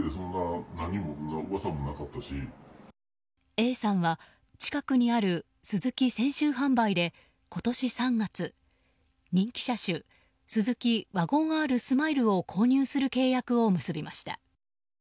Ａさんは近くにあるスズキ泉州販売で今年３月、人気車種スズキワゴンＲスマイルを購入する契約を結びました。